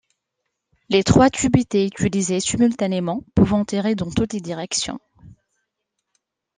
Les trois tubes étaient utilisés simultanément, pouvant tirer dans toutes les directions.